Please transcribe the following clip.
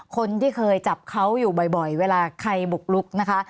คนที่เคยจับเขาอยู่บ่อยเวลาใครบุกลุกนะคะ